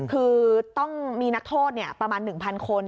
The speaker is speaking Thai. คือต้องมีนักโทษประมาณ๑๐๐คน